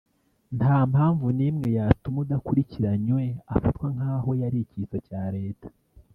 nta mpamvu n’imwe yatuma udakurikiranywe afatwa nk’aho yari icyitso cya Leta